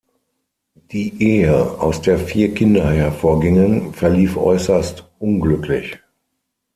Die Ehe, aus der vier Kinder hervorgingen, verlief äußerst unglücklich.